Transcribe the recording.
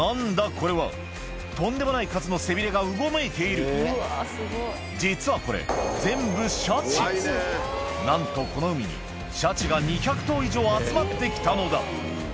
これはとんでもない数の背びれがうごめいている実はこれ全部何とこの海にシャチが集まってきたのだ